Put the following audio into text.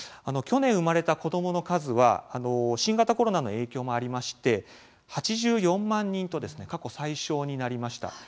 去年、生まれた子どもの数は新型コロナの影響もありまして８４万人と過去最少になりました。